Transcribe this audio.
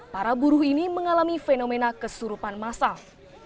para buruh ini mengalami fenomena kesurupan masal